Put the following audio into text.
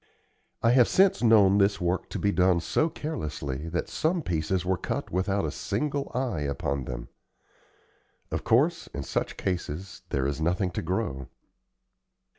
I have since known this work to be done so carelessly that some pieces were cut without a single eye upon them. Of course, in such cases there is nothing to grow.